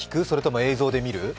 それとも映像で見る？